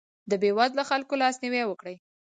د بېوزلو خلکو لاسنیوی وکړئ.